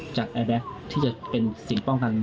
แอร์แบ็คที่จะเป็นสิ่งป้องกัน